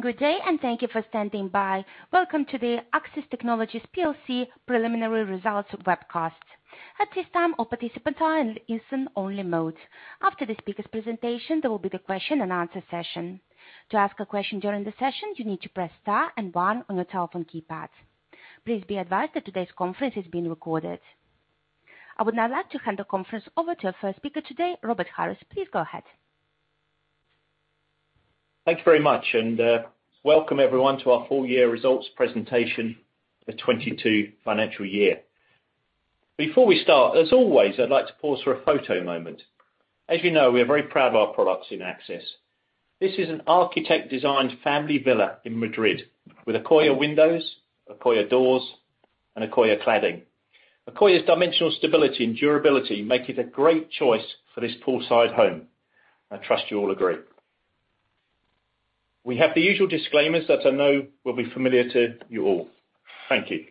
Good day, and thank you for standing by. Welcome to the Accsys Technologies PLC preliminary results webcast. At this time, all participants are in listen only mode. After the speaker's presentation, there will be the question and answer session. To ask a question during the session, you need to press Star and One on your telephone keypad. Please be advised that today's conference is being recorded. I would now like to hand the conference over to our first speaker today, Robert Harris. Please go ahead. Thank you very much, and welcome everyone to our full year results presentation for 2022 financial year. Before we start, as always, I'd like to pause for a photo moment. As you know, we are very proud of our products in Accsys. This is an architect-designed family villa in Madrid with Accoya windows, Accoya doors and Accoya cladding. Accoya's dimensional stability and durability make it a great choice for this poolside home. I trust you all agree. We have the usual disclaimers that I know will be familiar to you all. Thank you.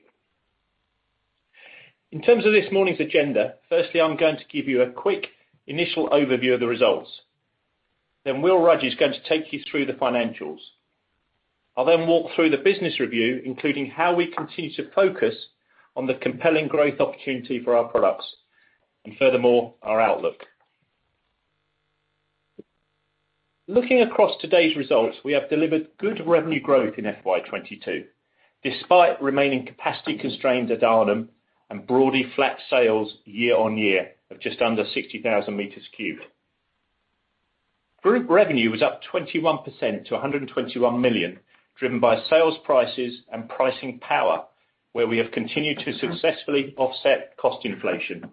In terms of this morning's agenda, firstly, I'm going to give you a quick initial overview of the results. Then William Rudge is going to take you through the financials. I'll then walk through the business review, including how we continue to focus on the compelling growth opportunity for our products and furthermore, our outlook. Looking across today's results, we have delivered good revenue growth in FY2022, despite remaining capacity constraints at Arnhem and broadly flat sales year-on-year of just under 60,000 cubic meters. Group revenue was up 21% to 121 million, driven by sales prices and pricing power, where we have continued to successfully offset cost inflation.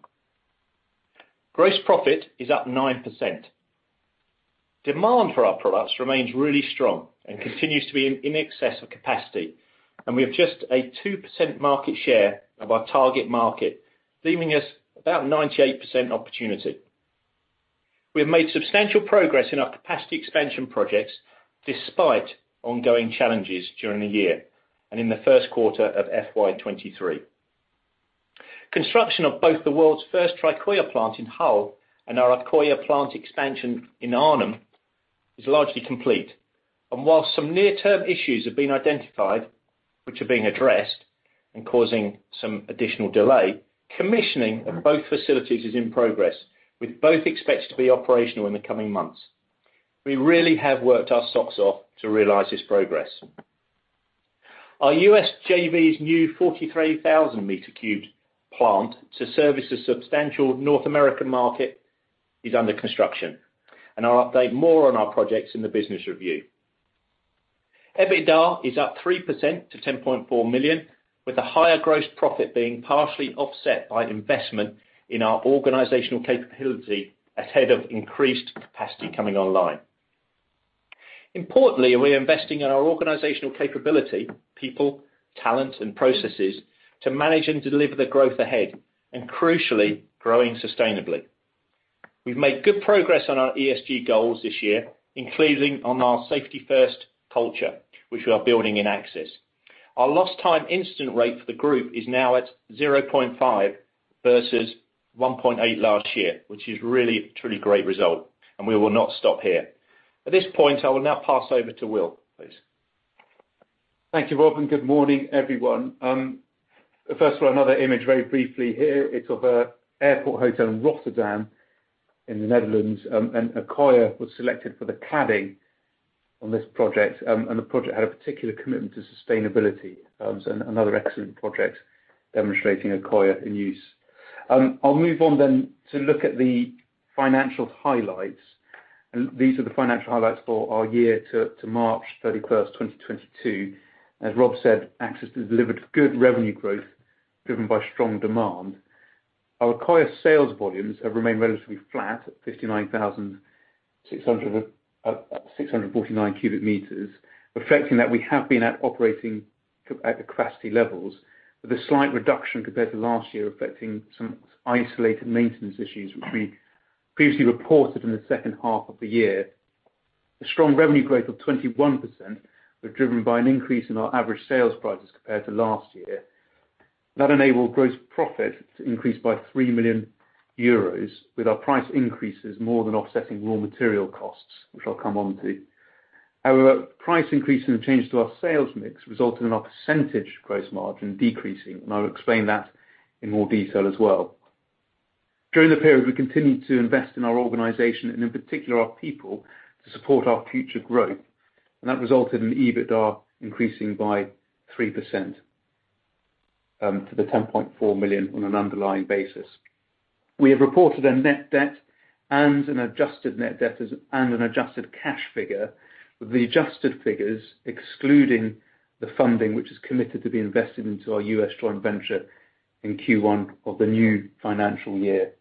Gross profit is up 9%. Demand for our products remains really strong and continues to be in excess of capacity, and we have just a 2% market share of our target market, leaving us about 98% opportunity. We have made substantial progress in our capacity expansion projects despite ongoing challenges during the year and in the Q1 of FY2023. Construction of both the world's first Tricoya plant in Hull and our Accoya plant expansion in Arnhem is largely complete. While some near-term issues have been identified, which are being addressed and causing some additional delay, commissioning of both facilities is in progress, with both expected to be operational in the coming months. We really have worked our socks off to realize this progress. Our U.S. JV's new 43,000 cubic meter plant to service a substantial North American market is under construction, and I'll update more on our projects in the business review. EBITDA is up 3% to 10.4 million, with a higher gross profit being partially offset by investment in our organizational capability ahead of increased capacity coming online. Importantly, we are investing in our organizational capability, people, talent and processes to manage and deliver the growth ahead and crucially, growing sustainably. We've made good progress on our ESG goals this year, including on our safety first culture, which we are building in Accsys. Our lost time incident rate for the group is now at 0.5 versus 1.8 last year, which is really, truly great result, and we will not stop here. At this point, I will now pass over to Will, please. Thank you, Rob, and good morning, everyone. First of all, another image very briefly here. It's of an airport hotel in Rotterdam, in the Netherlands. Accoya was selected for the cladding on this project, and the project had a particular commitment to sustainability, so another excellent project demonstrating Accoya in use. I'll move on to look at the financial highlights, and these are the financial highlights for our year to March 31, 2022. As Rob said, Accsys has delivered good revenue growth driven by strong demand. Our Accoya sales volumes have remained relatively flat at 59,649 cubic meters, reflecting that we have been operating at the capacity levels with a slight reduction compared to last year, reflecting some isolated maintenance issues which we previously reported in the second half of the year. The strong revenue growth of 21% were driven by an increase in our average sales prices compared to last year. That enabled gross profit to increase by 3 million euros, with our price increases more than offsetting raw material costs, which I'll come on to. However, price increases and change to our sales mix resulted in our percentage gross margin decreasing, and I'll explain that in more detail as well. During the period, we continued to invest in our organization and in particular our people to support our future growth, and that resulted in EBITDA increasing by 3% to 10.4 million on an underlying basis. We have reported a net debt and an adjusted net debt and an adjusted cash figure, with the adjusted figures excluding the funding which is committed to be invested into our U.S. joint venture in Q1 of the new financial year.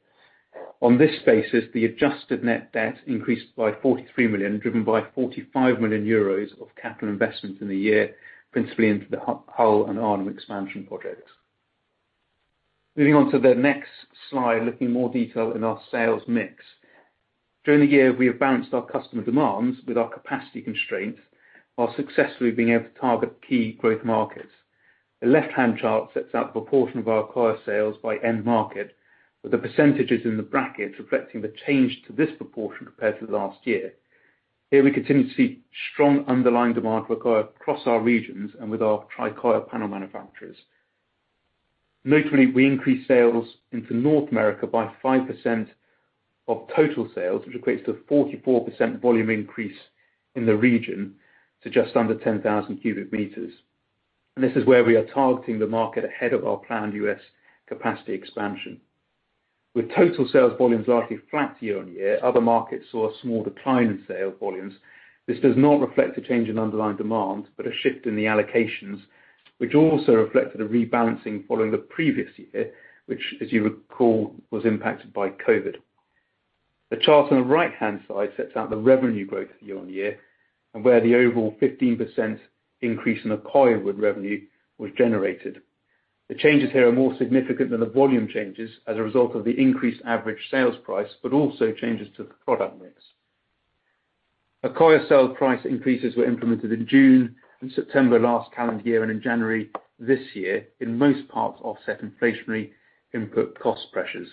On this basis, the adjusted net debt increased by 43 million, driven by 45 million euros of capital investment in the year, principally into the Hull and Arnhem expansion projects. Moving on to the next slide, looking in more detail in our sales mix. During the year, we have balanced our customer demands with our capacity constraints, while successfully being able to target key growth markets. The left hand chart sets out the proportion of our Accoya sales by end market, with the percentages in the brackets reflecting the change to this proportion compared to last year. Here we continue to see strong underlying demand for Accoya across our regions and with our Tricoya panel manufacturers. Notably, we increased sales into North America by 5% of total sales, which equates to 44% volume increase in the region to just under 10,000 cubic meters. This is where we are targeting the market ahead of our planned US capacity expansion. With total sales volumes largely flat year-on-year, other markets saw a small decline in sales volumes. This does not reflect a change in underlying demand, but a shift in the allocations, which also reflected a rebalancing following the previous year, which as you recall, was impacted by COVID. The chart on the right-hand side sets out the revenue growth year-on-year and where the overall 15% increase in Accoya wood revenue was generated. The changes here are more significant than the volume changes as a result of the increased average sales price, but also changes to the product mix. Accoya sale price increases were implemented in June and September last calendar year and in January this year in most parts offset inflationary input cost pressures.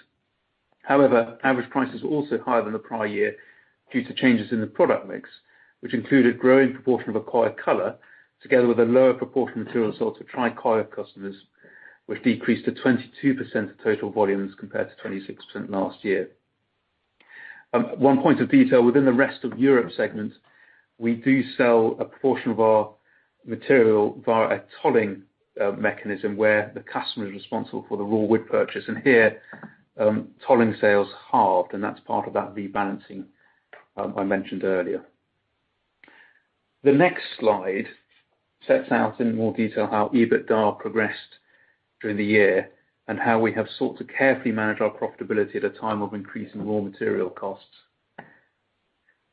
However, average prices were also higher than the prior year due to changes in the product mix, which included growing proportion of Accoya Color together with a lower proportion material sold to Tricoya customers, which decreased to 22% of total volumes compared to 26% last year. One point of detail within the rest of Europe segments, we do sell a portion of our material via a tolling mechanism where the customer is responsible for the raw wood purchase, and here, tolling sales halved, and that's part of that rebalancing I mentioned earlier. The next slide sets out in more detail how EBITDA progressed during the year and how we have sought to carefully manage our profitability at a time of increasing raw material costs.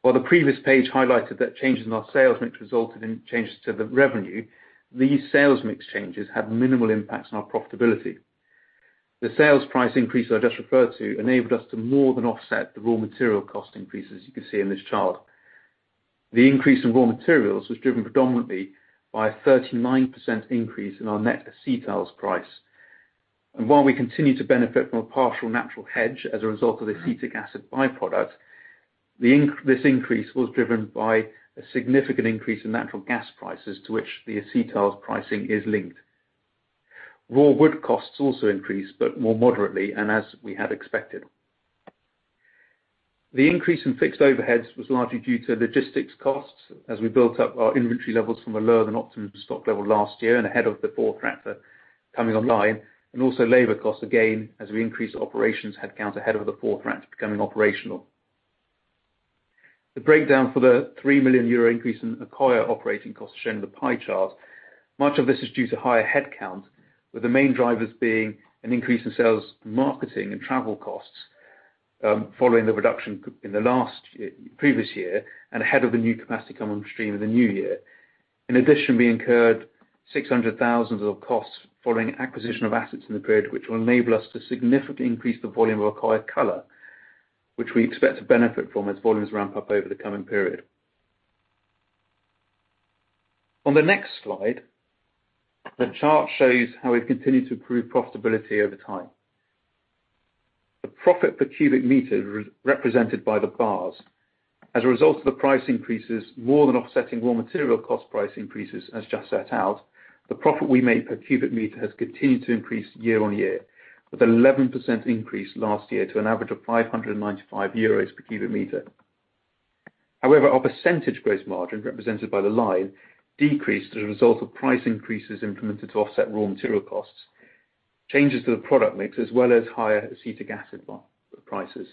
While the previous page highlighted that changes in our sales mix resulted in changes to the revenue, these sales mix changes had minimal impacts on our profitability. The sales price increase I just referred to enabled us to more than offset the raw material cost increases you can see in this chart. The increase in raw materials was driven predominantly by a 39% increase in our net acetyls price. While we continue to benefit from a partial natural hedge as a result of acetic acid by-product, this increase was driven by a significant increase in natural gas prices to which the acetyls pricing is linked. Raw wood costs also increased, but more moderately and as we had expected. The increase in fixed overheads was largely due to logistics costs as we built up our inventory levels from a lower than optimum stock level last year and ahead of the fourth reactor coming online, and also labor costs, again, as we increased operations headcount ahead of the fourth reactor becoming operational. The breakdown for the 3 million euro increase in Accoya operating costs shown in the pie chart. Much of this is due to higher headcount, with the main drivers being an increase in sales, marketing, and travel costs, following the reduction in the previous year and ahead of the new capacity come on stream in the new year. In addition, we incurred 600,000 of costs following acquisition of assets in the period which will enable us to significantly increase the volume of Accoya Color, which we expect to benefit from as volumes ramp up over the coming period. On the next slide, the chart shows how we've continued to improve profitability over time. The profit per cubic meter, represented by the bars. As a result of the price increases more than offsetting raw material cost price increases as just set out, the profit we make per cubic meter has continued to increase year-on-year with 11% increase last year to an average of 595 euros per cubic meter. However, our percentage gross margin, represented by the line, decreased as a result of price increases implemented to offset raw material costs, changes to the product mix, as well as higher acetic acid prices.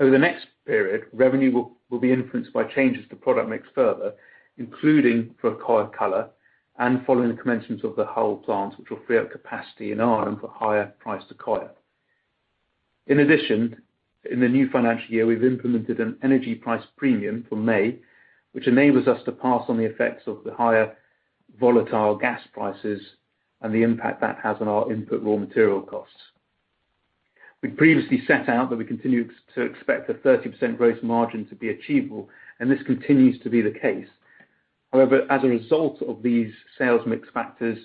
Over the next period, revenue will be influenced by changes to product mix further, including for Accoya Color and following the commencement of the Hull plant, which will free up capacity in Ireland for higher price to Accoya. In addition, in the new financial year, we've implemented an energy price premium from May, which enables us to pass on the effects of the higher volatile gas prices and the impact that has on our input raw material costs. We previously set out that we continue to expect a 30% gross margin to be achievable, and this continues to be the case. However, as a result of these sales mix factors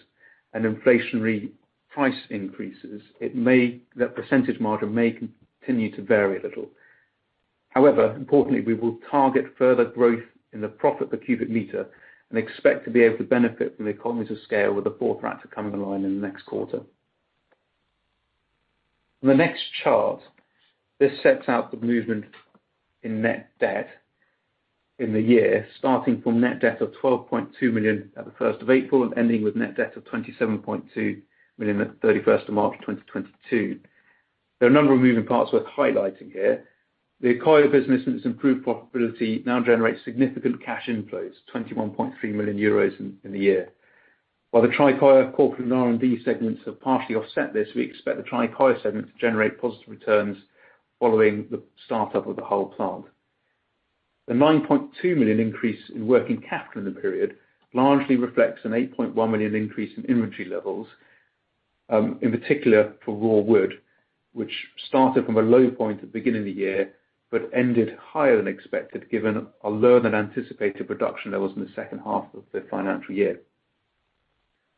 and inflationary price increases, the percentage margin may continue to vary a little. However, importantly, we will target further growth in the profit per cubic meter and expect to be able to benefit from the economies of scale with the fourth reactor coming online in the next quarter. The next chart, this sets out the movement in net debt in the year, starting from net debt of 12.2 million at the first of April and ending with net debt of 27.2 million at 31 March 2022. There are a number of moving parts worth highlighting here. The Accoya business and its improved profitability now generates significant cash inflows, 21.3 million euros in the year. While the Tricoya corporate and R&D segments have partially offset this, we expect the Tricoya segment to generate positive returns following the start up of the whole plant. The 9.2 million increase in working capital in the period largely reflects an 8.1 million increase in inventory levels. In particular for raw wood, which started from a low point at the beginning of the year, but ended higher than expected, given a lower than anticipated production levels in the second half of the financial year.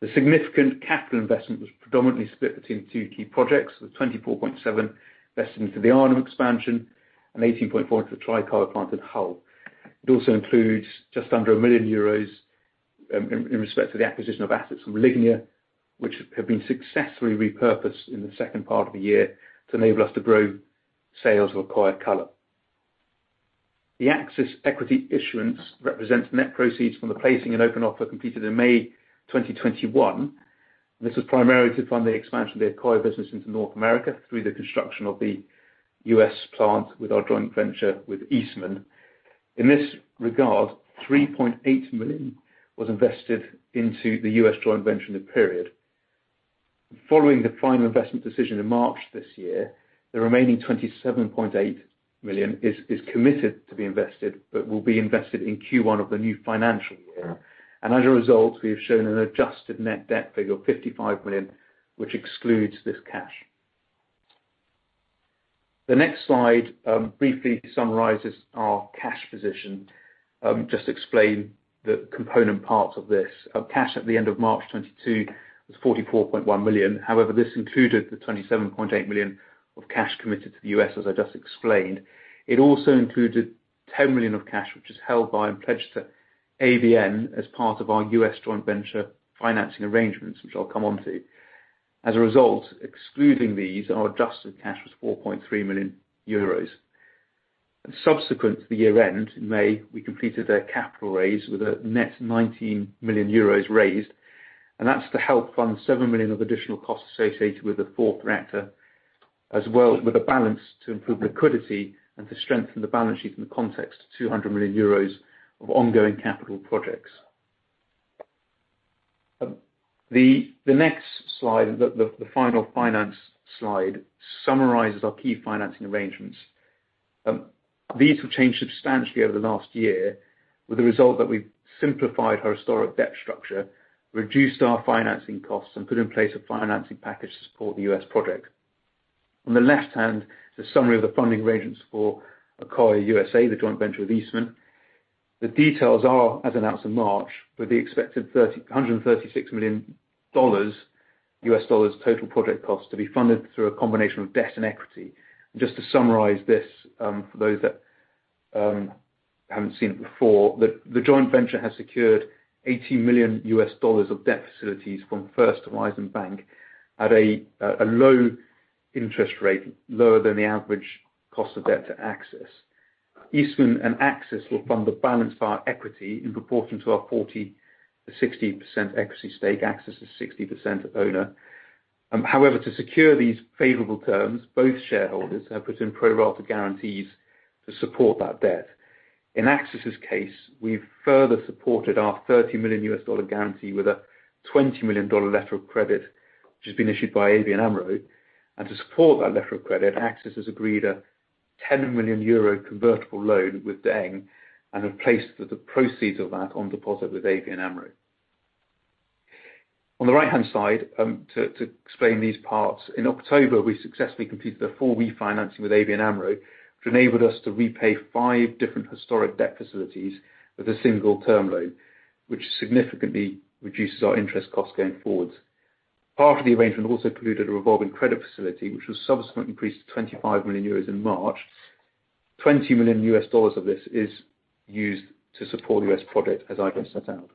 The significant capital investment was predominantly split between two key projects, with 24.7 million invested into the Arnhem expansion and 18.4 million into the Tricoya plant in Hull. It also includes just under 1 million euros in respect to the acquisition of assets from Lignia, which have been successfully repurposed in the second part of the year to enable us to grow sales of Accoya Color. The Accsys equity issuance represents net proceeds from the placing and open offer completed in May 2021. This was primarily to fund the expansion of the Accoya business into North America through the construction of the U.S. plant with our joint venture with Eastman. In this regard, 3.8 million was invested into the U.S. joint venture in the period. Following the final investment decision in March this year, the remaining 27.8 million is committed to be invested, but will be invested in Q1 of the new financial year. As a result, we have shown an adjusted net debt figure of 55 million, which excludes this cash. The next slide briefly summarizes our cash position. Just explain the component parts of this. Our cash at the end of March 2022 was 44.1 million. However, this included the 27.8 million of cash committed to the U.S., as I just explained. It also included 10 million of cash, which is held by and pledged to ABN as part of our U.S. joint venture financing arrangements, which I'll come onto. As a result, excluding these, our adjusted cash was 4.3 million euros. Subsequent to the year-end, in May, we completed a capital raise with a net 19 million euros raised, and that's to help fund 7 million of additional costs associated with the fourth reactor, as well as with the balance to improve liquidity and to strengthen the balance sheet in the context of 200 million euros of ongoing capital projects. The next slide, the final finance slide summarizes our key financing arrangements. These have changed substantially over the last year with the result that we've simplified our historic debt structure, reduced our financing costs, and put in place a financing package to support the U.S. project. On the left hand is a summary of the funding arrangements for Accoya U.S.A, the joint venture with Eastman. The details are, as announced in March, with the expected $336 million total project cost to be funded through a combination of debt and equity. Just to summarize this, for those that haven't seen it before, the joint venture has secured $80 million of debt facilities from First Horizon Bank at a low interest rate, lower than the average cost of debt to Accsys. Eastman and Accsys will fund the balance of our equity in proportion to our 40%-60% equity stake. Accsys is 60% owner. However, to secure these favorable terms, both shareholders have put in pro rata guarantees to support that debt. In Accsys's case, we've further supported our $30 million guarantee with a $20 million letter of credit, which has been issued by ABN AMRO. To support that letter of credit, Axis has agreed a 10 million euro convertible loan with De Engh and have placed the proceeds of that on deposit with ABN AMRO. On the right-hand side, to explain these parts. In October, we successfully completed a full refinancing with ABN AMRO, which enabled us to repay five different historic debt facilities with a single-term loan, which significantly reduces our interest costs going forward. Part of the arrangement also included a revolving credit facility, which was subsequently increased to $25 million in March. $20 million of this is used to support the U.S. project, as I just set out.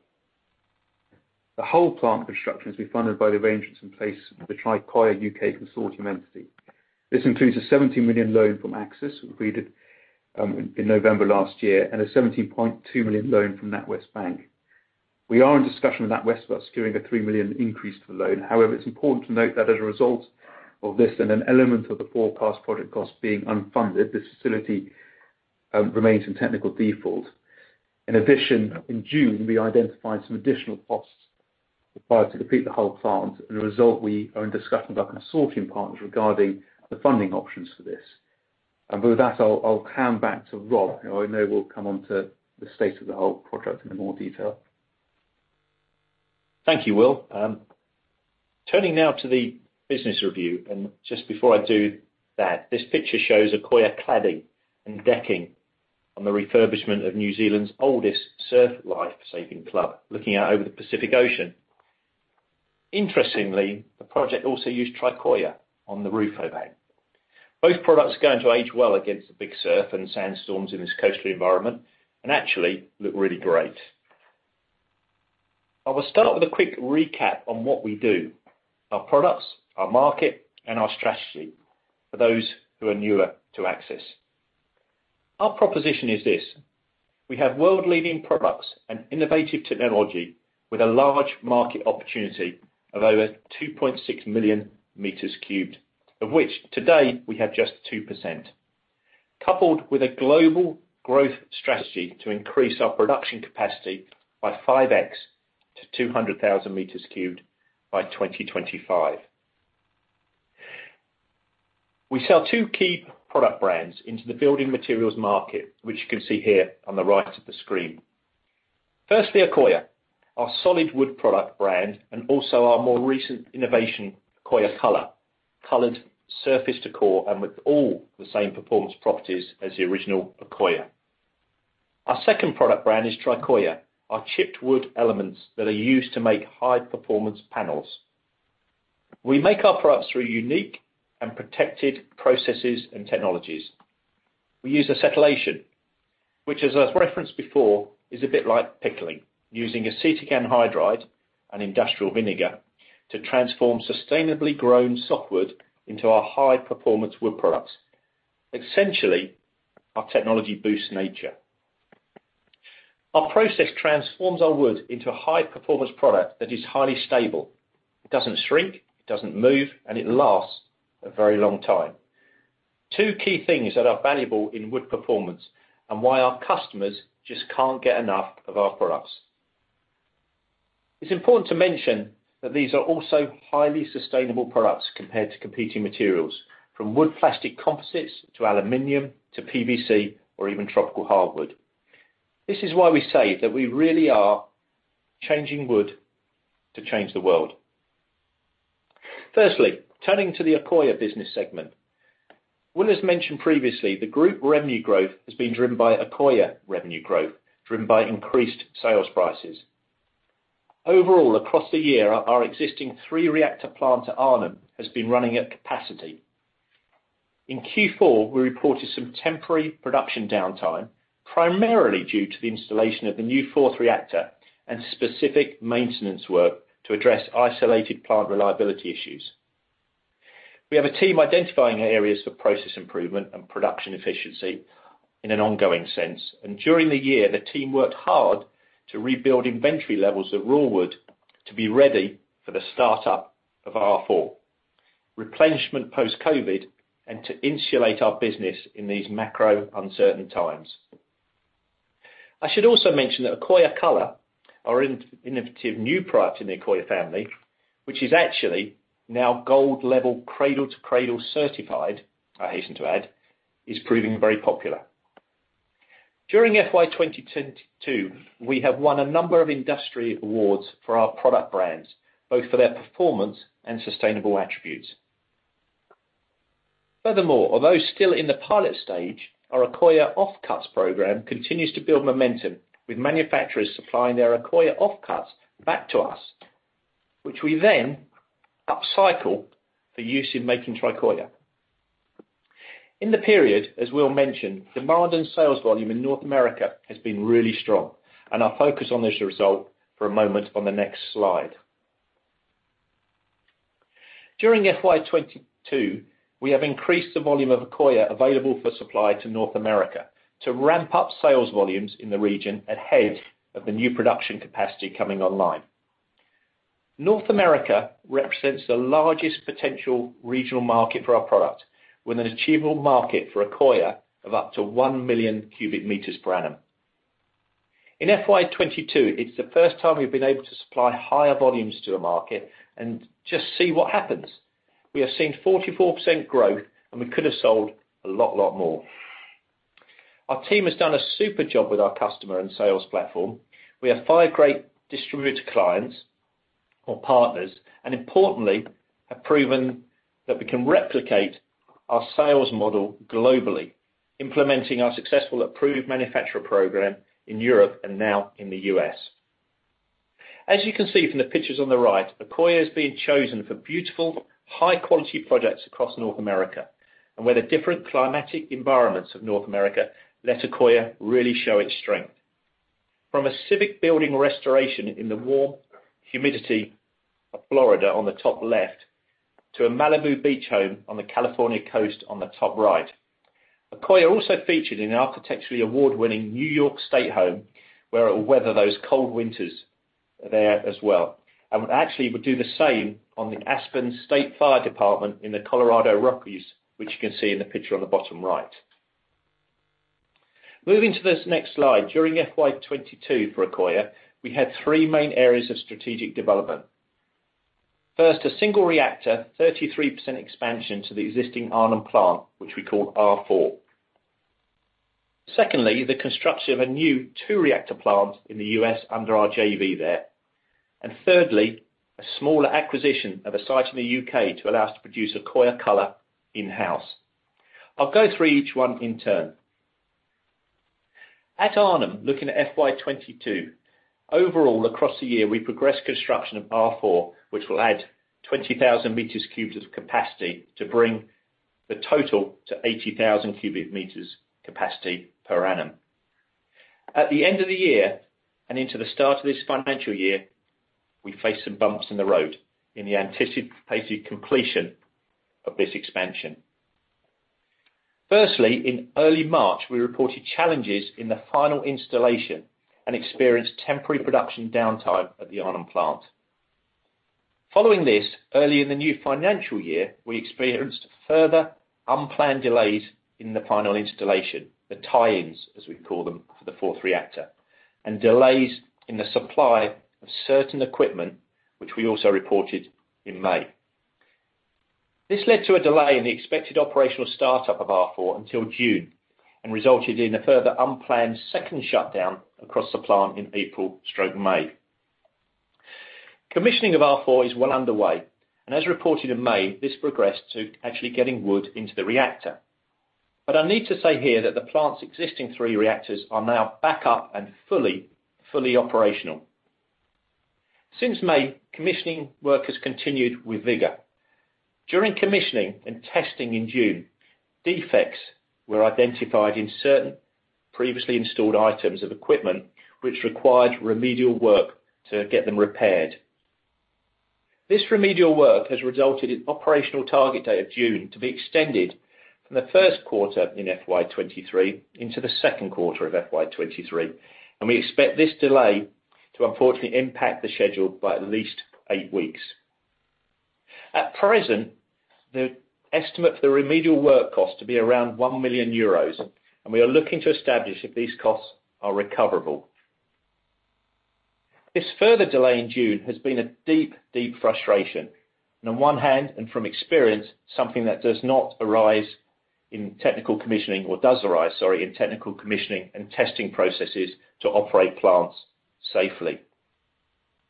The whole plant construction is being funded by the arrangements in place of the Tricoya U.K. Limited consortium entity. This includes a 17 million loan from Axis, agreed in November last year, and a 17.2 million loan from NatWest. We are in discussion with NatWest about securing a 3 million increase to the loan. However, it's important to note that as a result of this and an element of the forecast project cost being unfunded, this facility remains in technical default. In addition, in June, we identified some additional costs required to complete the whole plant. As a result, we are in discussion with our consortium partners regarding the funding options for this. With that, I'll hand back to Rob, who I know will come onto the state of the whole project in more detail. Thank you, Will. Turning now to the business review. Just before I do that, this picture shows Accoya cladding and decking on the refurbishment of New Zealand's oldest surf life-saving club, looking out over the Pacific Ocean. Interestingly, the project also used Tricoya on the roof overhang. Both products are going to age well against the big surf and sandstorms in this coastal environment, and actually look really great. I will start with a quick recap on what we do, our products, our market, and our strategy for those who are newer to Accsys. Our proposition is this: We have world-leading products and innovative technology with a large market opportunity of over 2.6 million meters cubed, of which to date we have just 2%, coupled with a global growth strategy to increase our production capacity by 5x to 200,000 meters cubed by 2025. We sell two key product brands into the building materials market, which you can see here on the right of the screen. Firstly, Accoya, our solid wood product brand, and also our more recent innovation, Accoya Color, colored surface decor, and with all the same performance properties as the original Accoya. Our second product brand is Tricoya, our chipped wood elements that are used to make high-performance panels. We make our products through unique and protected processes and technologies. We use acetylation, which as I've referenced before, is a bit like pickling, using acetic anhydride and industrial vinegar to transform sustainably grown softwood into our high-performance wood products. Essentially, our technology boosts nature. Our process transforms our wood into a high-performance product that is highly stable. It doesn't shrink, it doesn't move, and it lasts a very long time. Two key things that are valuable in wood performance and why our customers just can't get enough of our products. It's important to mention that these are also highly sustainable products compared to competing materials, from wood plastic composites to aluminum to PVC or even tropical hardwood. This is why we say that we really are changing wood to change the world. Firstly, turning to the Accoya business segment. As mentioned previously, the group revenue growth has been driven by Accoya revenue growth, driven by increased sales prices. Overall, across the year, our existing three reactor plant at Arnhem has been running at capacity. In Q4, we reported some temporary production downtime, primarily due to the installation of the new fourth reactor and specific maintenance work to address isolated plant reliability issues. We have a team identifying areas for process improvement and production efficiency in an ongoing sense. During the year, the team worked hard to rebuild inventory levels at Rawwood to be ready for the startup of R4, replenishment post-COVID, and to insulate our business in these macro uncertain times. I should also mention that Accoya Color, our innovative new product in the Accoya family, which is actually now gold-level Cradle to Cradle certified, I hasten to add, is proving very popular. During FY2022, we have won a number of industry awards for our product brands, both for their performance and sustainable attributes. Furthermore, although still in the pilot stage, our Accoya Offcuts program continues to build momentum, with manufacturers supplying their Accoya offcuts back to us, which we then upcycle for use in making Tricoya. In the period, as Will mentioned, demand and sales volume in North America has been really strong, and I'll focus on this result for a moment on the next slide. During FY2022, we have increased the volume of Accoya available for supply to North America to ramp up sales volumes in the region ahead of the new production capacity coming online. North America represents the largest potential regional market for our product, with an achievable market for Accoya of up to 1 million cubic meters per annum. In FY2022, it's the first time we've been able to supply higher volumes to a market and just see what happens. We have seen 44% growth, and we could have sold a lot more. Our team has done a super job with our customer and sales platform. We have five great distributor clients or partners, and importantly, have proven that we can replicate our sales model globally, implementing our successful Approved Manufacturer program in Europe and now in the U.S. As you can see from the pictures on the right, Accoya is being chosen for beautiful, high-quality projects across North America, and where the different climatic environments of North America let Accoya really show its strength. From a civic building restoration in the warm humidity of Florida on the top left to a Malibu beach home on the California coast on the top right. Accoya also featured in an architecturally award-winning New York State home, where it will weather those cold winters there as well, and actually would do the same on the Aspen Fire Department in the Colorado Rockies, which you can see in the picture on the bottom right. Moving to this next slide, during FY2022 for Accoya, we had three main areas of strategic development. First, a single reactor, 33% expansion to the existing Arnhem plant, which we call R4. Secondly, the construction of a new two-reactor plant in the U.S. under our JV there. Thirdly, a smaller acquisition of a site in the U.K. to allow us to produce Accoya Color in-house. I'll go through each one in turn. At Arnhem, looking at FY2022, overall across the year, we progressed construction of R4, which will add 20,000 cubic meters of capacity to bring the total to 80,000 cubic meters capacity per annum. At the end of the year and into the start of this financial year, we faced some bumps in the road in the anticipated completion of this expansion. Firstly, in early March, we reported challenges in the final installation and experienced temporary production downtime at the Arnhem plant. Following this, early in the new financial year, we experienced further unplanned delays in the final installation, the tie-ins, as we call them, for the fourth reactor, and delays in the supply of certain equipment, which we also reported in May. This led to a delay in the expected operational startup of R4 until June, and resulted in a further unplanned second shutdown across the plant in April/May. Commissioning of R4 is well underway, and as reported in May, this progressed to actually getting wood into the reactor. I need to say here that the plant's existing three reactors are now back up and fully operational. Since May, commissioning work has continued with vigor. During commissioning and testing in June, defects were identified in certain previously installed items of equipment which required remedial work to get them repaired. This remedial work has resulted in operational target date of June to be extended from the first quarter in FY2023 into the second quarter of FY2023, and we expect this delay to unfortunately impact the schedule by at least eight weeks. At present, the estimate for the remedial work cost to be around 1 million euros, and we are looking to establish if these costs are recoverable. This further delay in June has been a deep frustration. On one hand, from experience, something that does arise in technical commissioning and testing processes to operate plants safely.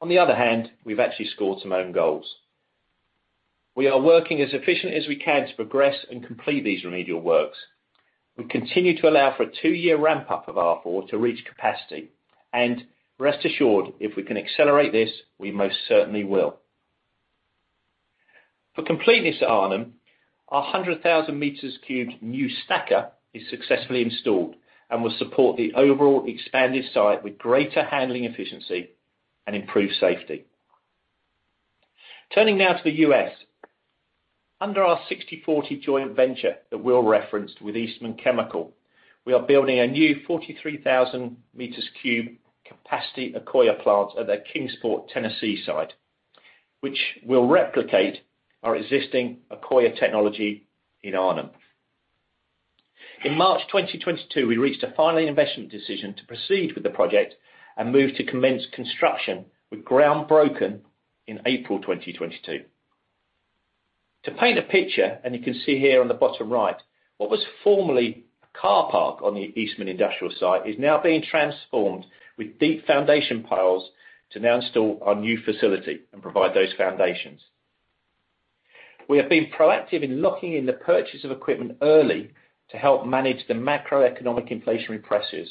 On the other hand, we've actually scored some own goals. We are working as efficiently as we can to progress and complete these remedial works. We continue to allow for a two-year ramp up of R4 to reach capacity. Rest assured, if we can accelerate this, we most certainly will. For completeness at Arnhem, our 100,000 cubic meters new stacker is successfully installed and will support the overall expanded site with greater handling efficiency and improved safety. Turning now to the U.S. Under our 60/40 joint venture that Will referenced with Eastman Chemical, we are building a new 43,000 cubic meters capacity Accoya plant at their Kingsport, Tennessee site, which will replicate our existing Accoya technology in Arnhem. In March 2022, we reached a final investment decision to proceed with the project and moved to commence construction with ground broken in April 2022. To paint a picture, and you can see here on the bottom right, what was formerly a car park on the Eastman industrial site is now being transformed with deep foundation piles to now install our new facility and provide those foundations. We have been proactive in locking in the purchase of equipment early to help manage the macroeconomic inflationary pressures,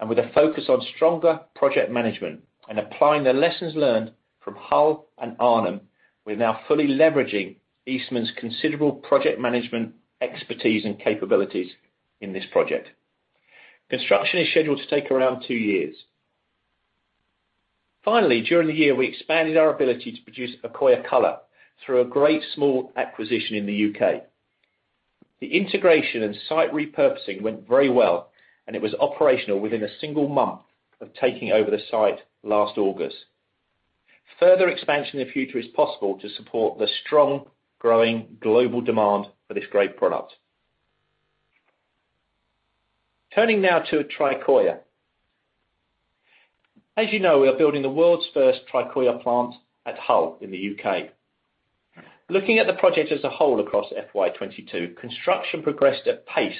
and with a focus on stronger project management and applying the lessons learned from Hull and Arnhem, we're now fully leveraging Eastman's considerable project management expertise and capabilities in this project. Construction is scheduled to take around two years. Finally, during the year, we expanded our ability to produce Accoya Color through a great small acquisition in the U.K. The integration and site repurposing went very well, and it was operational within a single month of taking over the site last August. Further expansion in the future is possible to support the strong growing global demand for this great product. Turning now to Tricoya. As you know, we are building the world's first Tricoya plant at Hull in the U.K. Looking at the project as a whole across FY2022, construction progressed at pace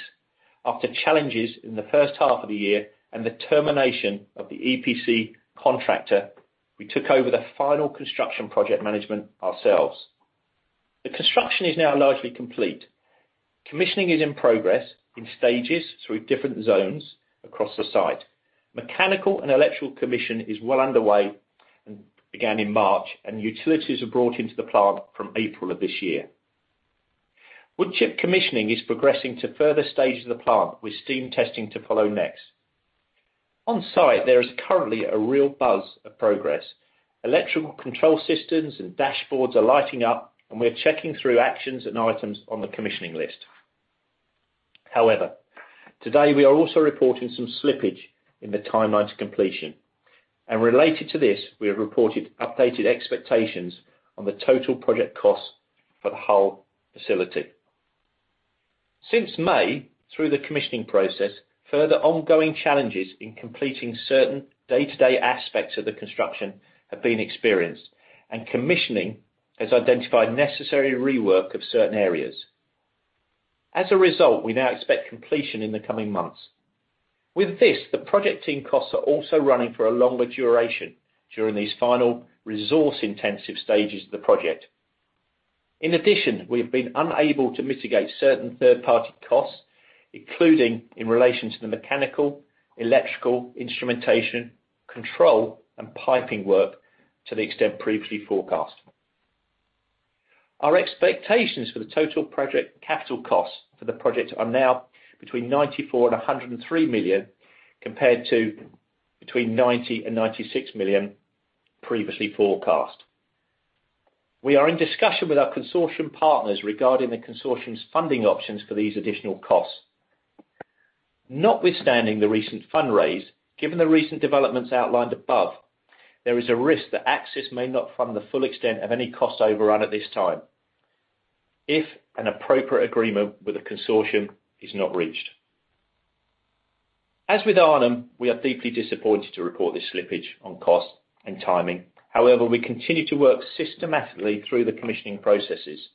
after challenges in the first half of the year and the termination of the EPC contractor. We took over the final construction project management ourselves. The construction is now largely complete. Commissioning is in progress in stages through different zones across the site. Mechanical and electrical commission is well underway and began in March, and utilities were brought into the plant from April of this year. Wood chip commissioning is progressing to further stages of the plant, with steam testing to follow next. On-site, there is currently a real buzz of progress. Electrical control systems and dashboards are lighting up, and we're checking through actions and items on the commissioning list. However, today we are also reporting some slippage in the timeline to completion. Related to this, we have reported updated expectations on the total project cost for the Hull facility. Since May, through the commissioning process, further ongoing challenges in completing certain day-to-day aspects of the construction have been experienced, and commissioning has identified necessary rework of certain areas. As a result, we now expect completion in the coming months. With this, the project team costs are also running for a longer duration during these final resource-intensive stages of the project. In addition, we have been unable to mitigate certain third-party costs, including in relation to the mechanical, electrical, instrumentation, control, and piping work to the extent previously forecast. Our expectations for the total project capital cost for the project are now between 94 million and 103 million, compared to between 90 million and 96 million previously forecast. We are in discussion with our consortium partners regarding the consortium's funding options for these additional costs. Notwithstanding the recent fundraise, given the recent developments outlined above, there is a risk that Accsys may not fund the full extent of any cost overrun at this time if an appropriate agreement with the consortium is not reached. As with Arnhem, we are deeply disappointed to report this slippage on cost and timing. However, we continue to work systematically through the commissioning processes.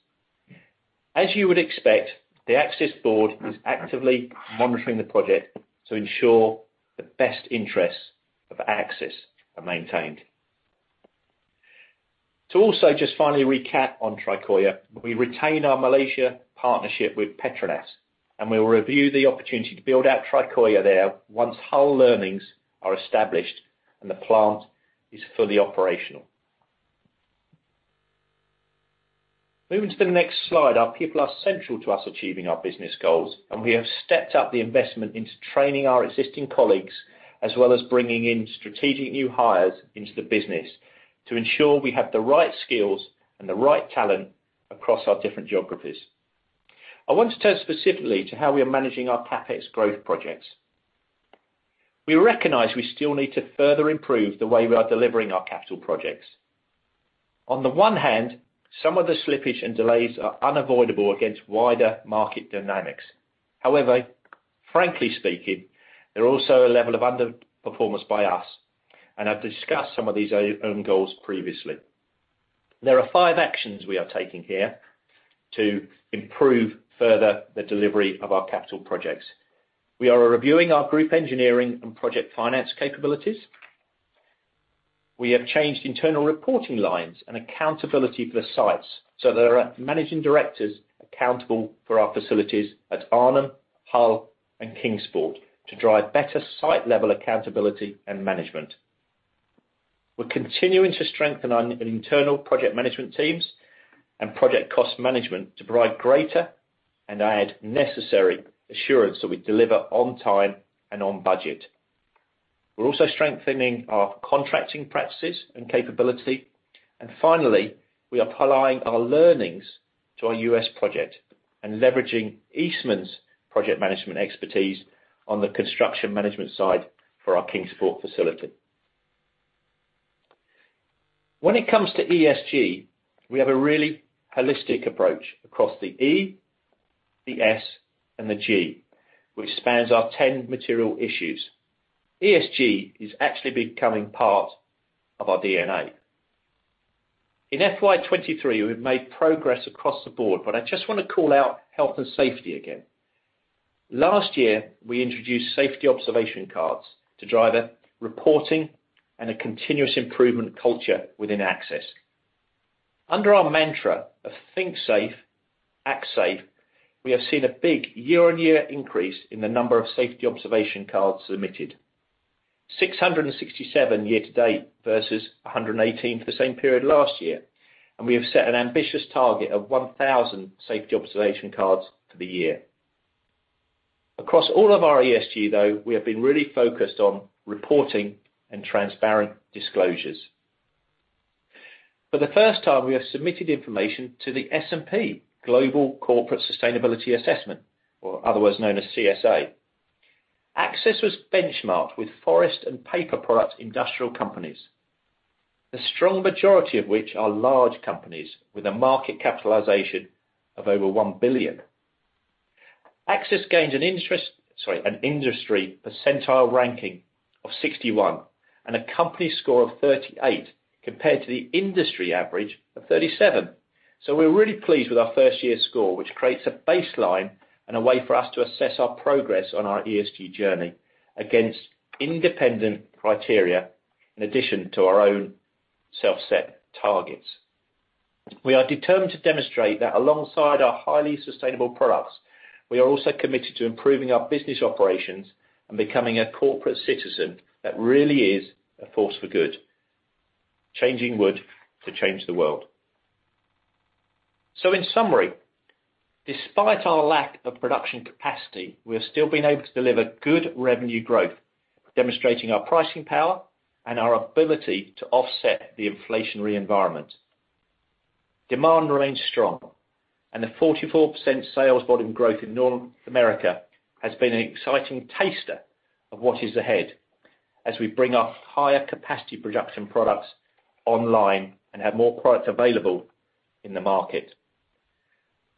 As you would expect, the Accsys board is actively monitoring the project to ensure the best interests of Accsys are maintained. To also just finally recap on Tricoya, we retain our Malaysia partnership with PETRONAS, and we will review the opportunity to build out Tricoya there once Hull learnings are established and the plant is fully operational. Moving to the next slide, our people are central to us achieving our business goals, and we have stepped up the investment into training our existing colleagues, as well as bringing in strategic new hires into the business to ensure we have the right skills and the right talent across our different geographies. I want to turn specifically to how we are managing our CapEx growth projects. We recognize we still need to further improve the way we are delivering our capital projects. On the one hand, some of the slippage and delays are unavoidable against wider market dynamics. However, frankly speaking, there are also a level of underperformance by us, and I've discussed some of these own goals previously. There are five actions we are taking here to improve further the delivery of our capital projects. We are reviewing our group engineering and project finance capabilities. We have changed internal reporting lines and accountability for the sites, so there are managing directors accountable for our facilities at Arnhem, Hull, and Kingsport to drive better site-level accountability and management. We're continuing to strengthen our internal project management teams and project cost management to provide greater and add necessary assurance that we deliver on time and on budget. We're also strengthening our contracting practices and capability. Finally, we are applying our learnings to our U.S. project and leveraging Eastman's project management expertise on the construction management side for our Kingsport facility. When it comes to ESG, we have a really holistic approach across the E, the S, and the G, which spans our 10 material issues. ESG is actually becoming part of our DNA. In FY2023, we've made progress across the board, but I just want to call out health and safety again. Last year, we introduced safety observation cards to drive a reporting and a continuous improvement culture within Accsys. Under our mantra of think safe, act safe, we have seen a big year-on-year increase in the number of safety observation cards submitted. 667 years to date versus 118 for the same period last year. We have set an ambitious target of 1,000 safety observation cards for the year. Across all of our ESG, though, we have been really focused on reporting and transparent disclosures. For the first time, we have submitted information to the S&P Global Corporate Sustainability Assessment, or otherwise known as CSA. Accsys was benchmarked with forest and paper product industrial companies, the strong majority of which are large companies with a market capitalization of over 1 billion. Accsys gains an industry percentile ranking of 61 and a company score of 38 compared to the industry average of 37. We're really pleased with our first year score, which creates a baseline and a way for us to assess our progress on our ESG journey against independent criteria in addition to our own self-set targets. We are determined to demonstrate that alongside our highly sustainable products, we are also committed to improving our business operations and becoming a corporate citizen that really is a force for good, changing wood to change the world. In summary, despite our lack of production capacity, we have still been able to deliver good revenue growth, demonstrating our pricing power and our ability to offset the inflationary environment. Demand remains strong and the 44% sales volume growth in North America has been an exciting taster of what is ahead as we bring our higher capacity production products online and have more product available in the market.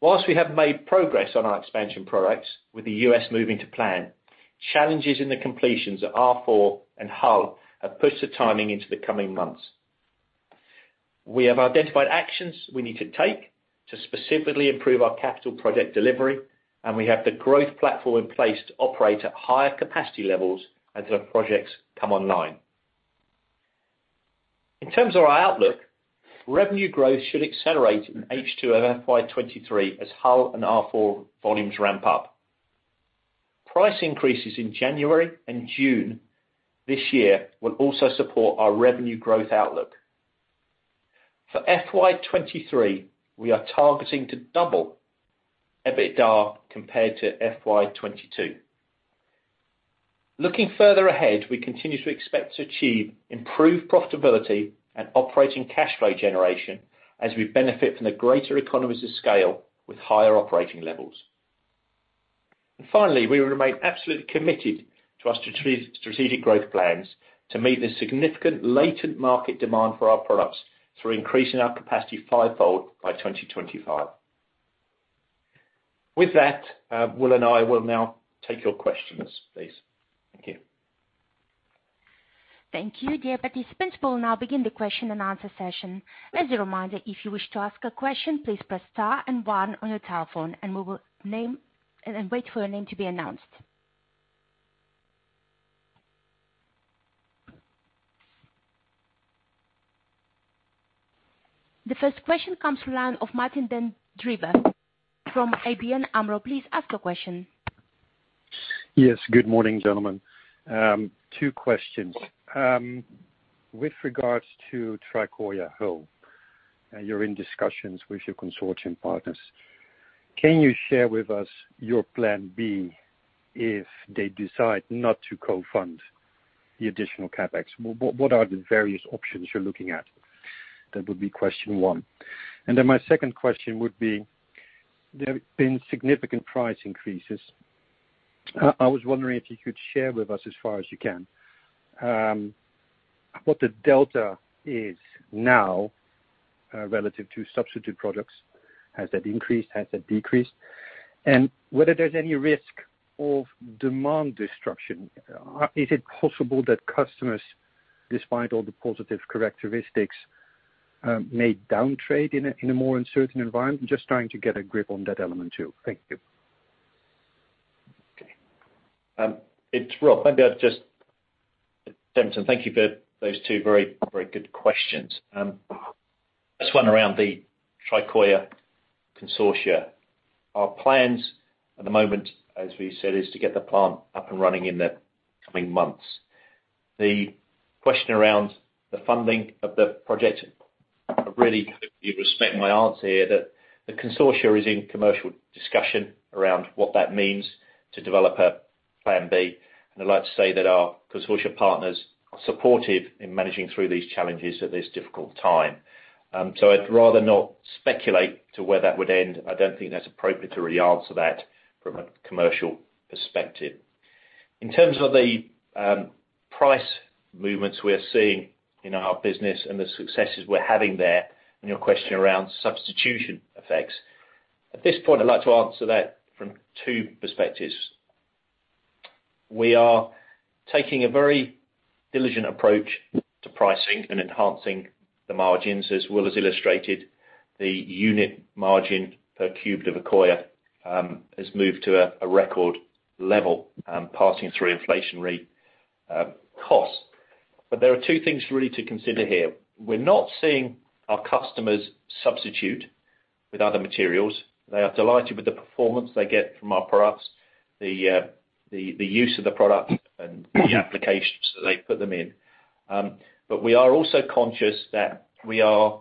While we have made progress on our expansion products, with the US moving to plan, challenges in the completions at R4 and Hull have pushed the timing into the coming months. We have identified actions we need to take to specifically improve our capital project delivery, and we have the growth platform in place to operate at higher capacity levels as our projects come online. In terms of our outlook, revenue growth should accelerate in H2 of FY2023 as Hull and R4 volumes ramp up. Price increases in January and June this year will also support our revenue growth outlook. For FY2023, we are targeting to double EBITDA compared to FY2022. Looking further ahead, we continue to expect to achieve improved profitability and operating cash flow generation as we benefit from the greater economies of scale with higher operating levels. Finally, we remain absolutely committed to our strategic growth plans to meet the significant latent market demand for our products through increasing our capacity 5-fold by 2025. With that, Will and I will now take your questions, please. Thank you. Thank you. Dear participants, we'll now begin the question and answer session. As a reminder, if you wish to ask a question, please press star and one on your telephone and then wait for your name to be announced. The first question comes from the line of Martijn den Drijver from ABN AMRO. Please ask your question. Yes. Good morning, gentlemen. Two questions. With regards to Tricoya Hull, you're in discussions with your consortium partners. Can you share with us your plan B if they decide not to co-fund the additional CapEx? What are the various options you're looking at? That would be question one. My second question would be, there have been significant price increases. I was wondering if you could share with us as far as you can, what the delta is now, relative to substitute products. Has that increased? Has that decreased? And whether there's any risk of demand destruction. Is it possible that customers, despite all the positive characteristics, may downtrade in a more uncertain environment? Just trying to get a grip on that element too. Thank you. Okay. It's Rob. Martin, thank you for those two very, very good questions. This one around the Tricoya consortium. Our plans at the moment, as we said, is to get the plant up and running in the coming months. The question around the funding of the project, I really restrict my answer here that the consortium is in commercial discussion around what that means to develop a plan B. I'd like to say that our consortium partners are supportive in managing through these challenges at this difficult time. I'd rather not speculate to where that would end. I don't think that's appropriate to really answer that from a commercial perspective. In terms of the price movements we're seeing in our business and the successes we're having there and your question around substitution effects. At this point, I'd like to answer that from two perspectives. We are taking a very diligent approach to pricing and enhancing the margins. As Will has illustrated, the unit margin per cube of Accoya has moved to a record level, passing through inflationary costs. There are two things really to consider here. We're not seeing our customers substitute with other materials. They are delighted with the performance they get from our products, the use of the product and the applications that they put them in. We are also conscious that we are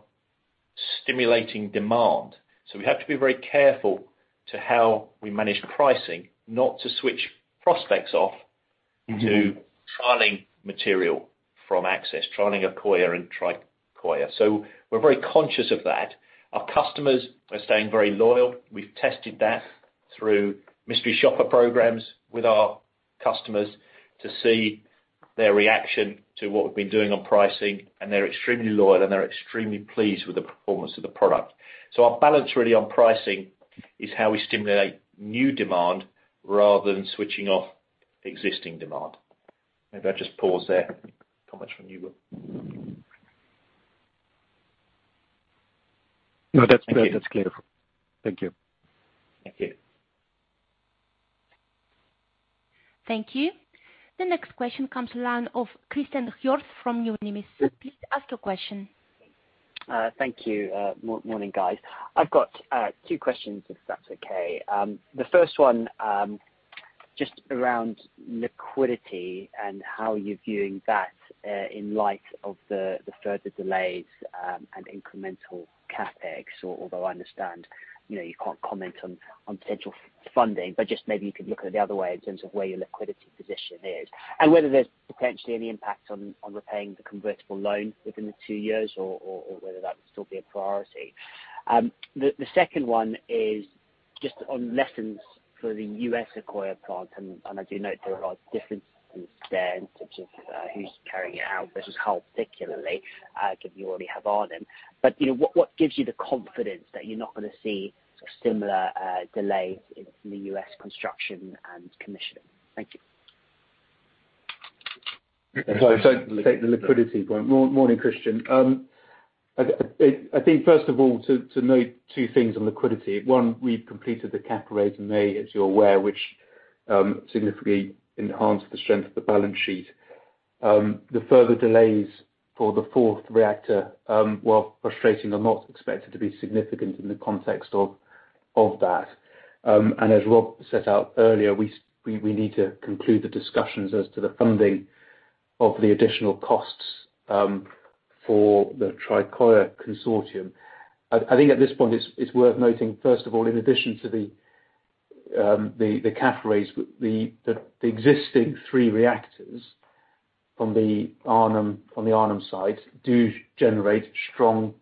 stimulating demand, so we have to be very careful to how we manage pricing, not to switch prospects off to trialing material from Accsys, trialing Accoya and Tricoya. We're very conscious of that. Our customers are staying very loyal. We've tested that through mystery shopper programs with our customers to see their reaction to what we've been doing on pricing, and they're extremely loyal, and they're extremely pleased with the performance of the product. Our balance really on pricing is how we stimulate new demand rather than switching off existing demand. Maybe I'll just pause there. Comments from you, Will. No, that's clear. Thank you. Thank you. The next question comes to line of Christen Hjorth from Numis. Please ask your question. Morning, guys. I've got two questions, if that's okay. The first one, just around liquidity and how you're viewing that, in light of the further delays and incremental CapEx, although I understand, you know, you can't comment on potential funding, but just maybe you could look at it the other way in terms of where your liquidity position is and whether there's potentially any impact on repaying the convertible loan within the two years or whether that would still be a priority. The second one is just on lessons for the U.S. Accoya plant, and I do note there are differences there in terms of who's carrying it out versus how, particularly, given you already have Arnhem. You know, what gives you the confidence that you're not gonna see similar delays in the U.S. construction and commissioning? Thank you. If I take the liquidity point. Morning, Christian. I think first of all, to note two things on liquidity. One, we've completed the cap raise in May, as you're aware, which significantly enhanced the strength of the balance sheet. The further delays for the fourth reactor, while frustrating, are not expected to be significant in the context of that. And as Rob set out earlier, we need to conclude the discussions as to the funding of the additional costs for the Tricoya consortium. I think at this point it's worth noting, first of all, in addition to the cap raise, the existing three reactors from the Arnhem side do generate strong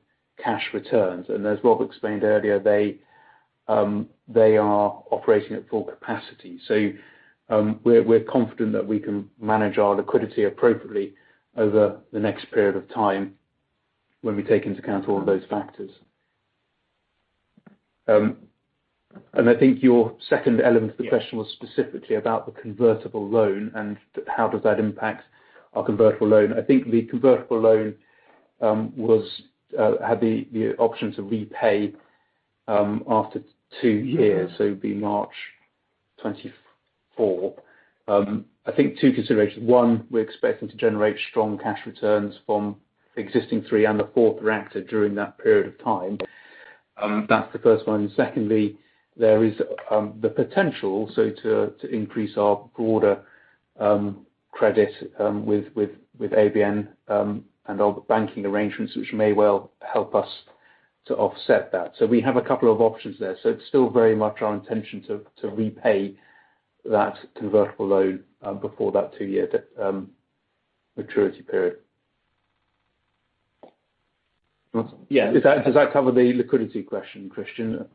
cash returns. As Rob explained earlier, they are operating at full capacity. We're confident that we can manage our liquidity appropriately over the next period of time. When we take into account all those factors. I think your second element of the question was specifically about the convertible loan and how does that impact our convertible loan. I think the convertible loan was had the option to repay after two years, so it would be March 2024. I think two considerations. One, we're expecting to generate strong cash returns from existing three and the fourth reactor during that period of time. That's the first one. Secondly, there is the potential also to increase our broader credit with ABN and our banking arrangements, which may well help us to offset that. We have a couple of options there. It's still very much our intention to repay that convertible loan before that two-year maturity period. Yeah. Does that cover the liquidity question, Christian?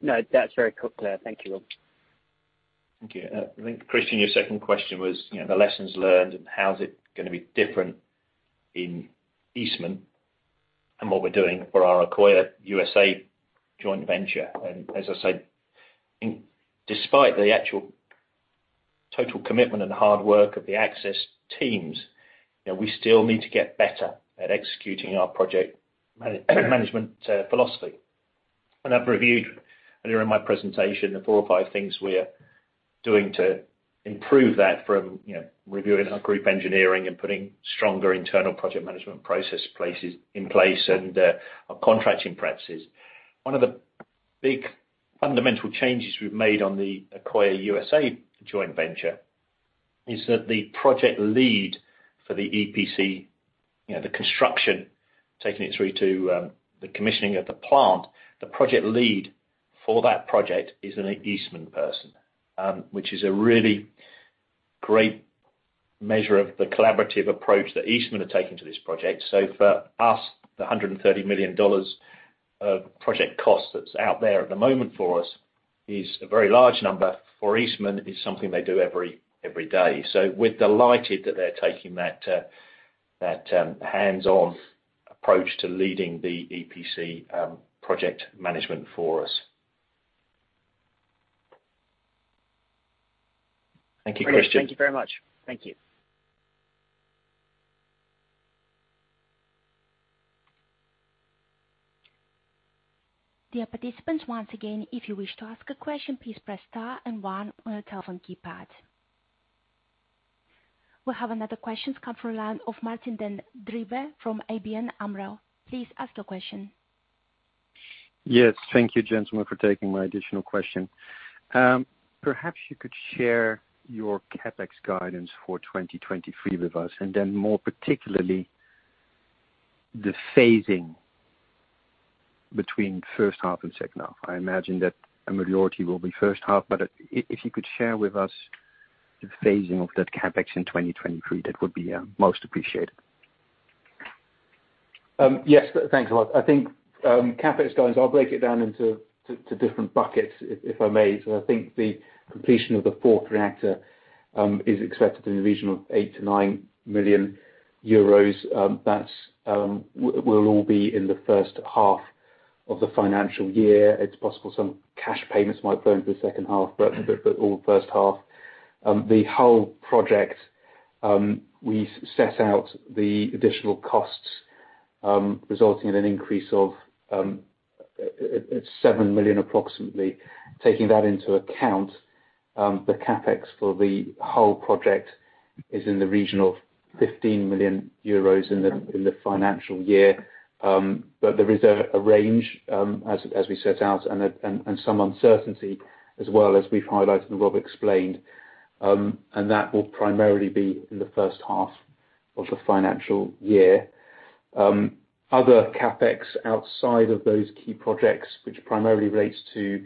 No, that's very clear. Thank you. Thank you. I think, Christian, your second question was, you know, the lessons learned and how is it gonna be different in Eastman and what we're doing for our Accoya U.S.A joint venture. As I said, despite the actual total commitment and hard work of the Accsys teams, you know, we still need to get better at executing our project management philosophy. I've reviewed earlier in my presentation the four or five things we're doing to improve that from, you know, reviewing our group engineering and putting stronger internal project management processes in place and our contracting practices. One of the big fundamental changes we've made on the Accoya U.S.A joint venture is that the project lead for the EPC, you know, the construction, taking it through to the commissioning of the plant, the project lead for that project is an Eastman person, which is a really great measure of the collaborative approach that Eastman are taking to this project. For us, the $130 million of project cost that's out there at the moment for us is a very large number. For Eastman, it's something they do every day. We're delighted that they're taking that hands-on approach to leading the EPC project management for us. Thank you, Christian. Thank you very much. Thank you. Dear participants, once again, if you wish to ask a question, please press star and one on your telephone keypad. We'll have another question come from the line of Martijn den Drijver from ABN AMRO. Please ask your question. Yes. Thank you, gentlemen, for taking my additional question. Perhaps you could share your CapEx guidance for 2023 with us, and then more particularly the phasing between first half and second half. I imagine that a majority will be first half, but if you could share with us the phasing of that CapEx in 2023, that would be most appreciated. Yes. Thanks a lot. I think CapEx guidance. I'll break it down into two different buckets if I may. I think the completion of the fourth reactor is expected in the region of 8-9 million euros. That will all be in the first half of the financial year. It's possible some cash payments might flow into the second half, but all the first half. The whole project, we set out the additional costs resulting in an increase of 7 million approximately. Taking that into account, the CapEx for the whole project is in the region of 15 million euros in the financial year. There is a range as we set out and some uncertainty as well, as we've highlighted and Rob explained, and that will primarily be in the first half of the financial year. Other CapEx outside of those key projects, which primarily relates to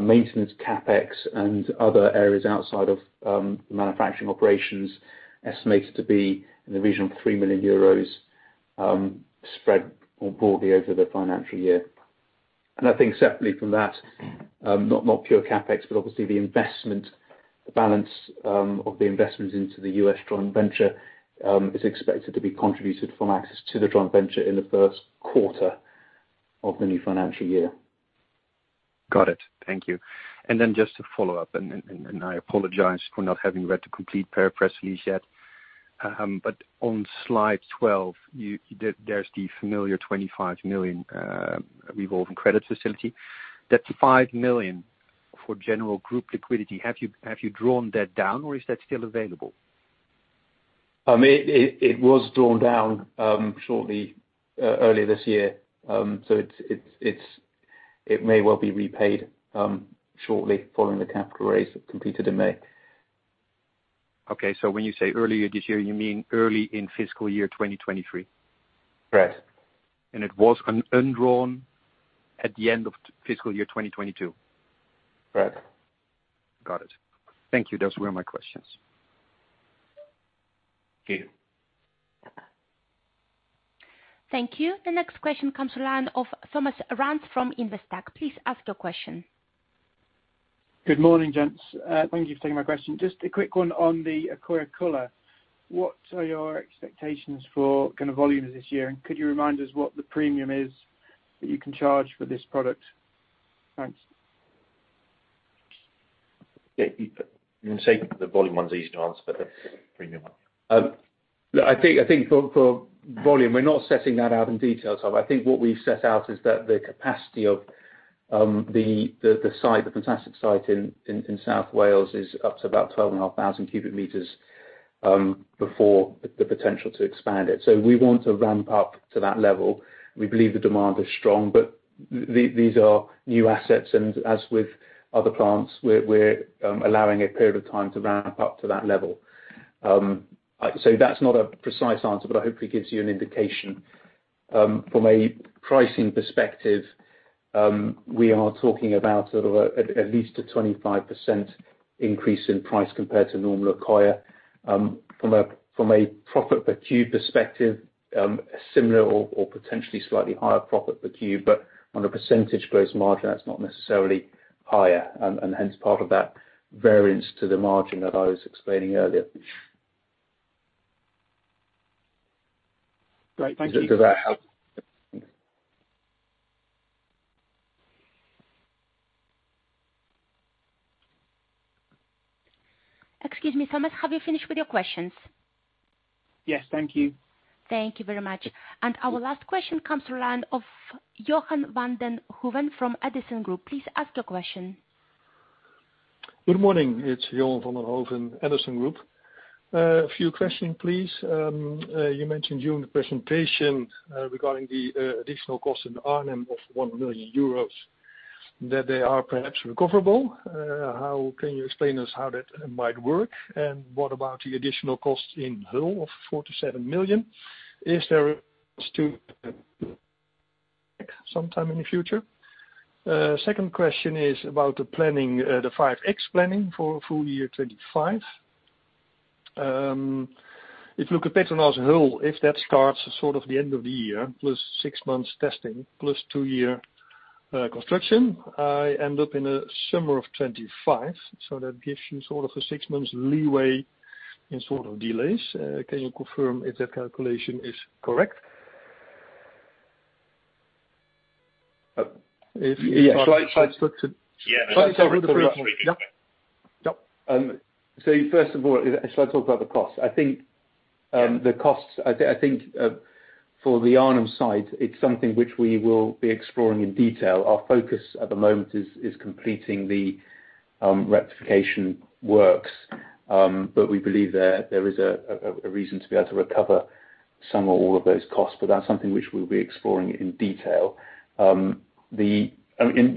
maintenance CapEx and other areas outside of manufacturing operations, estimated to be in the region of 3 million euros, spread more broadly over the financial year. I think separately from that, not pure CapEx, but obviously the investment, the balance of the investment into the U.S. joint venture, is expected to be contributed from Accsys to the joint venture in the first quarter of the new financial year. Got it. Thank you. Just to follow up, I apologize for not having read the complete press release yet. On slide 12, there's the familiar 25 million revolving credit facility. That 5 million for general group liquidity, have you drawn that down, or is that still available? It was drawn down shortly earlier this year. It may well be repaid shortly following the capital raise that completed in May. Okay. When you say earlier this year, you mean early in fiscal year 2023? Correct. It was undrawn at the end of FY2022? Correct. Got it. Thank you. Those were my questions. Thank you. Thank you. The next question comes from the line of Thomas Rands from Investec. Please ask your question. Good morning, gents. Thank you for taking my question. Just a quick one on the Accoya Color. What are your expectations for kinda volumes this year? Could you remind us what the premium is that you can charge for this product? Thanks. Yeah, you can say the volume one's easy to answer, but the premium one. Look, I think for volume, we're not setting that out in detail, Tom. I think what we've set out is that the capacity of the site, the fantastic site in South Wales is up to about 12,500 cubic meters before the potential to expand it. We want to ramp up to that level. We believe the demand is strong, but these are new assets and as with other plants, we're allowing a period of time to ramp up to that level. That's not a precise answer, but I hope it gives you an indication. From a pricing perspective, we are talking about sort of at least a 25% increase in price compared to normal Accoya. From a profit per cube perspective, similar or potentially slightly higher profit per cube, but on a percentage gross margin, that's not necessarily higher and hence part of that variance to the margin that I was explaining earlier. Great. Thank you. Does that help? Excuse me, Thomas, have you finished with your questions? Yes. Thank you. Thank you very much. Our last question comes to the line of Johan van den Hooven from Edison Group. Please ask your question. Good morning. It's Johan van den Hooven, Edison Group. A few questions, please. You mentioned during the presentation regarding the additional cost in Arnhem of 1 million euros that they are perhaps recoverable. How can you explain to us how that might work? What about the additional costs in Hull of 47 million? Is that recoverable sometime in the future? Second question is about the planning, the 5x planning for FY2025. If you look at PETRONAS Hull, if that starts sort of the end of the year, plus six months testing, plus two year construction, I end up in the summer of 2025. So that gives you sort of a six months leeway in sort of delays. Can you confirm if that calculation is correct? Uh, if- Yeah. Shall I talk to? Yeah. Shall I talk to that one? Yep. Yep. First of all, shall I talk about the cost? I think. The costs, I think, for the Arnhem site, it's something which we will be exploring in detail. Our focus at the moment is completing the rectification works. But we believe there is a reason to be able to recover some or all of those costs, but that's something which we'll be exploring in detail. I mean,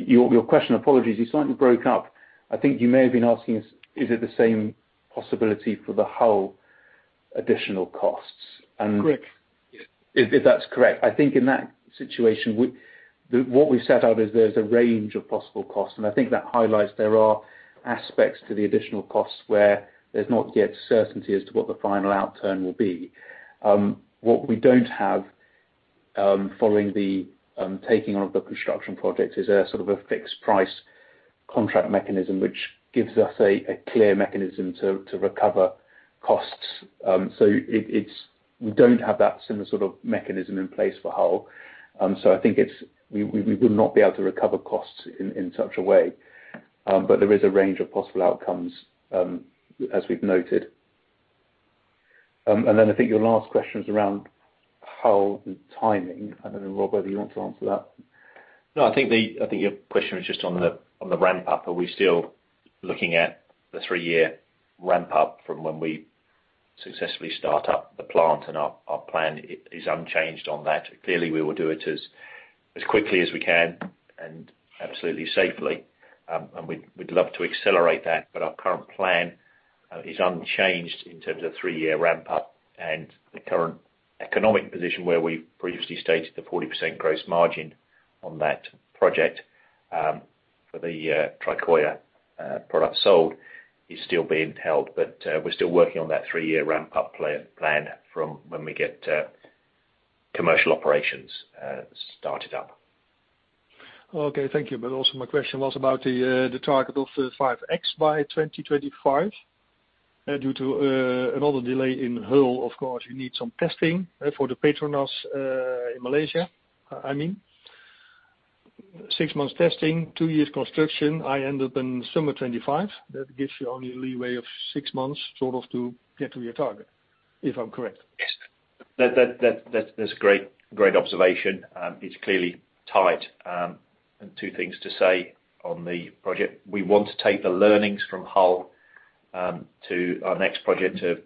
your question, apologies, you slightly broke up. I think you may have been asking us, is it the same possibility for the Hull additional costs? Correct. If that's correct, I think in that situation, what we set out is there's a range of possible costs. I think that highlights there are aspects to the additional costs where there's not yet certainty as to what the final outturn will be. What we don't have, following the taking of the construction project, is a sort of fixed price contract mechanism which gives us a clear mechanism to recover costs. We don't have that similar sort of mechanism in place for Hull. I think we would not be able to recover costs in such a way. But there is a range of possible outcomes, as we've noted. Then I think your last question is around Hull and timing. I don't know, Rob, whether you want to answer that. No, I think your question was just on the ramp up. Are we still looking at the three year ramp up from when we successfully start up the plant and our plan is unchanged on that. Clearly, we will do it as quickly as we can and absolutely safely. We'd love to accelerate that, but our current plan is unchanged in terms of three-year ramp up and the current economic position where we previously stated the 40% gross margin on that project for the Tricoya product sold is still being held. We're still working on that three year ramp up plan from when we get commercial operations started up. Okay. Thank you. Also my question was about the target of the 5x by 2025. Due to another delay in Hull, of course, you need some testing for the PETRONAS in Malaysia, I mean. six months testing, two years construction, I end up in summer 2025. That gives you only a leeway of six months sort of to get to your target, if I'm correct. Yes. That's a great observation. It's clearly tight. Two things to say on the project. We want to take the learnings from Hull to our next project to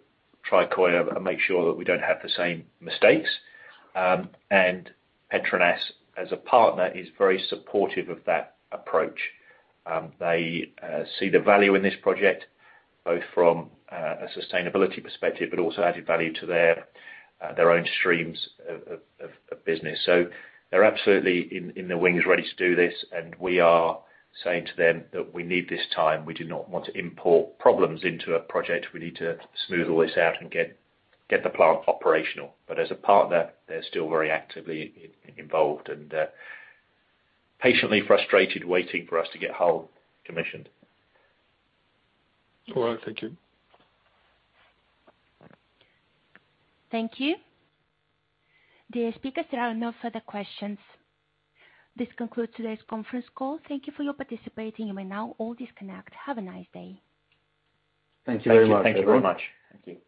Tricoya and make sure that we don't have the same mistakes. PETRONAS, as a partner, is very supportive of that approach. They see the value in this project, both from a sustainability perspective, but also added value to their own streams of business. They're absolutely in the wings ready to do this, and we are saying to them that we need this time. We do not want to import problems into a project. We need to smooth all this out and get the plant operational. As a partner, they're still very actively involved and patiently frustrated waiting for us to get Hull commissioned. All right. Thank you. Thank you. Dear speakers, there are no further questions. This concludes today's conference call. Thank you for your participating. You may now all disconnect. Have a nice day. Thank you very much. Thank you. Thank you very much. Thank you.